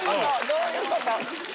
どういうこと？